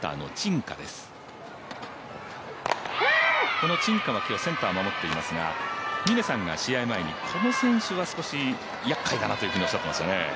この陳佳は、今日センターを守っていますが、峰さんが試合前にこの選手は少しやっかいだなというふうにおっしゃってましたね。